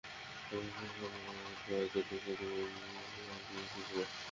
ভাষাসৈনিক বরকত পায়ে তিনটি গুলি নিয়ে ঢাকা মেডিকেল কলেজ হাসপাতালে এসেছিলেন।